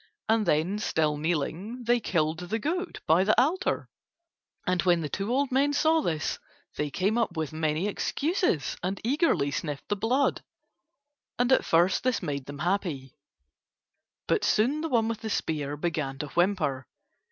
And then still kneeling they killed the goat by the altar, and when the two old men saw this they came up with many excuses and eagerly sniffed the blood. And at first this made them happy. But soon the one with the spear began to whimper.